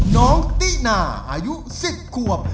น้องตินาอายุ๑๐ขวบ